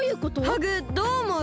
ハグどうおもう？